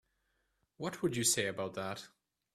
What would you say about that?